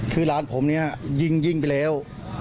คือหลานผมเนี่ยยิงไปแล้ว